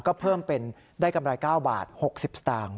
ก็เพิ่มเป็นได้กำไร๙บาท๖๐สตางค์